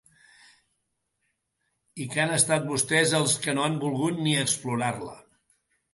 I que han estat vostès els que no han volgut ni explorar-la.